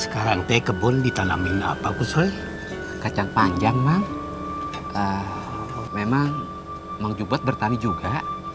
sekarang teh kebun ditanamin apa khusus kacang panjang bang memang dibuat bertani juga